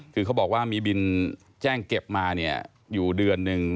คือเขาบอกว่ามีบินแจ้งเก็บมาเนี่ยอยู่เดือนหนึ่ง